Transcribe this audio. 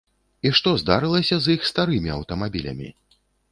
І што здарылася з іх старымі аўтамабілямі?